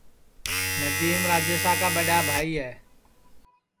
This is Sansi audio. ندیم راجیشا کا ٻڈؔا بھائی ہے